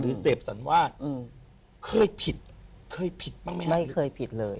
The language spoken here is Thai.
หรือเสพสันวาดอืมเคยผิดเคยผิดบ้างไหมไม่เคยผิดเลย